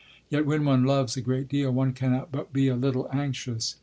Yet when one loves a great deal, one cannot but be a little anxious....